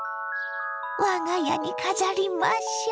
我が家に飾りましょ。